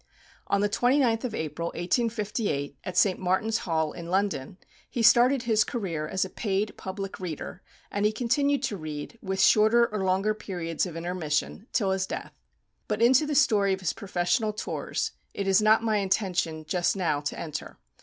On the 29th of April, 1858, at St. Martin's Hall, in London, he started his career as a paid public reader, and he continued to read, with shorter or longer periods of intermission, till his death. But into the story of his professional tours it is not my intention just now to enter.